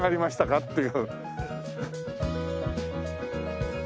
っていう。